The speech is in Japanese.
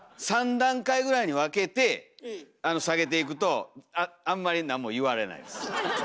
３段階ぐらいに分けて下げていくとあんまりなんも言われないです。